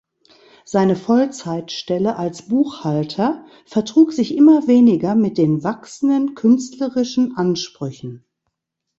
Seine Vollzeitstelle als Buchhalter vertrug sich immer weniger mit den wachsenden künstlerischen Ansprüchen.